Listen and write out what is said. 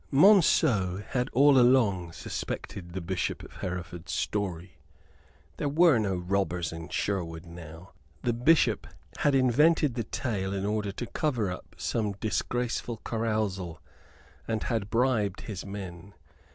Monceux had all along suspected the Bishop of Hereford's story. There were no robbers in Sherwood now the Bishop had invented the tale in order to cover up some disgraceful carousal, and had bribed his men.